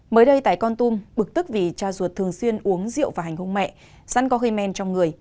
mới đây tại con tum bực tức vì cha ruột thường xuyên uống rượu và hành hung mẹ sắn có hơi men trong người